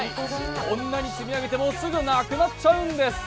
こんなに積み上げてもすぐなくなっちゃうんです。